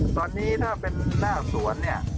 ตอนนี้ถ้าเป็นหน้าสวนเนี่ย